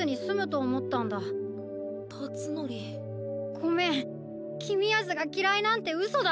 ごめんきみやすがきらいなんてうそだ！